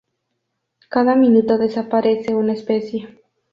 Cada minuto desaparece una especie.